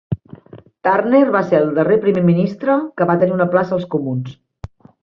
Turner va ser el darrer primer ministre que va tenir una plaça als comuns.